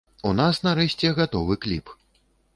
У нас нарэшце гатовы кліп.